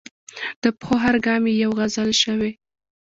د پښو هر ګام یې یوه غزل شوې.